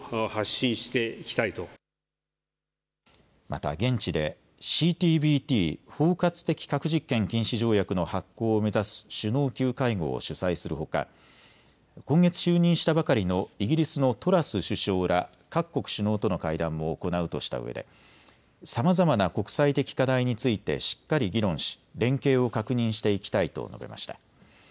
また現地でＣＴＢＴ・包括的核実験禁止条約の発効を目指す首脳級会合を主催するほか今月就任したばかりのイギリスのトラス首相ら各国首脳との会談も行うとしたうえでさまざまな国際的課題についてしっかり議論し連携を確認していきたいと述べました。